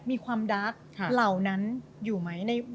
มีความรักเหล่านั้นอยู่ไหม